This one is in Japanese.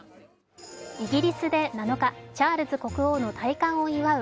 イギリスで７日、チャールズ国王の戴冠を祝う